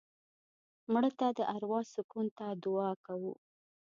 مړه ته د اروا سکون ته دعا کوو